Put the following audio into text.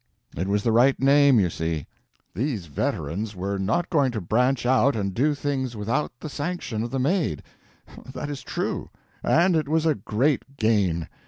It was the right name, you see. These veterans were not going to branch out and do things without the sanction of the Maid—that is true; and it was a great gain.